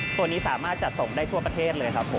ตัวนี้สามารถจัดส่งได้ทั่วประเทศเลยครับผม